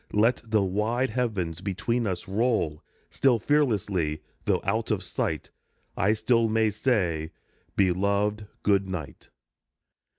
Let the wide heavens between us roll ; Still fearlessly, though out of sight, I still may say, " Beloved, good night."